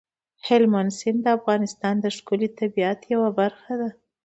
هلمند سیند د افغانستان د ښکلي طبیعت یوه برخه ده.